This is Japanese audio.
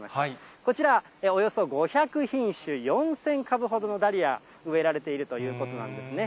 こちら、およそ５００品種、４０００株ほどのダリア、植えられているということなんですね。